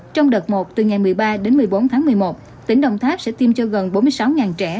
trong đợt một từ ngày một mươi ba đến một mươi bốn tháng một mươi một tỉnh đồng tháp sẽ tiêm cho gần bốn mươi sáu trẻ